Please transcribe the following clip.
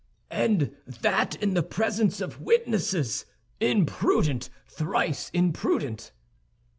"And that in the presence of witnesses! Imprudent, thrice imprudent!"